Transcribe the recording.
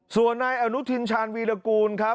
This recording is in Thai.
สวนในอนุทิชันวีรกูลครับ